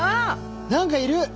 何かいる！